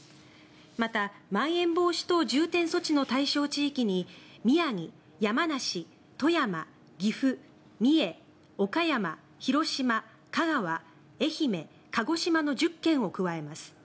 また、まん延防止等重点措置の対象地域に宮城、山梨、富山、岐阜、三重岡山、広島、香川愛媛、鹿児島の１０県を加えます。